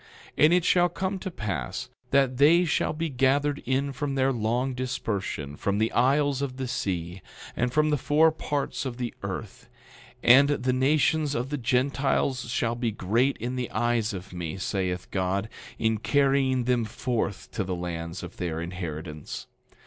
10:8 And it shall come to pass that they shall be gathered in from their long dispersion, from the isles of the sea, and from the four parts of the earth; and the nations of the Gentiles shall be great in the eyes of me, saith God, in carrying them forth to the lands of their inheritance.